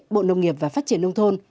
bộ nông nghiệp và phát triển nông thôn